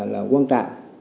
là quan trọng